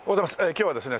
今日はですね